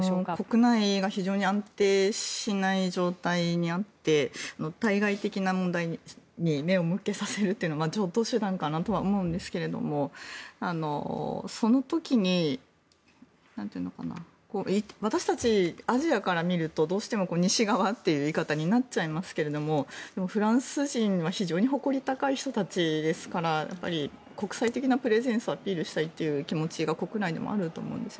国内が非常に安定しない状況にあって対外的な問題に目を向けさせるというのは常とう手段かなと思うんですがその時に私たち、アジアから見るとどうしても西側という言い方になっちゃいますがフランス人は非常に誇り高い人たちですから国際的なプレゼンスをアピールしたいという気持ちが国内でもあると思うんです。